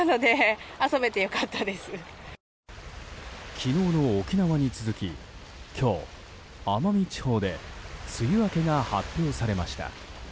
昨日の沖縄に続き今日、奄美地方で梅雨明けが発表されました。